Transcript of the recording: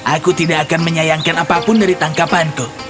aku tidak akan menyayangkan apapun dari tangkapanku